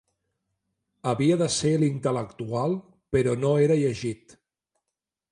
Havia de ser l'intel·lectual però no era llegit.